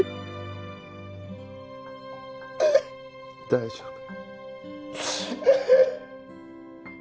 大丈夫。